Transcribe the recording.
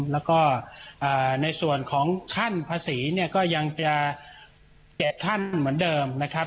แล้วก็ในส่วนของขั้นภาษีเนี่ยก็ยังจะ๗ขั้นเหมือนเดิมนะครับ